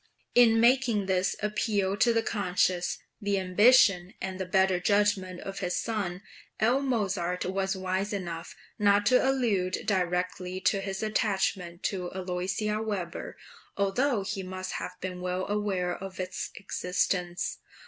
In making this appeal to the conscience, the ambition, and the better judgment of his son, L. Mozart was wise enough not to allude directly to his attachment to Aloysia Weber, although he must have been well aware of its existence.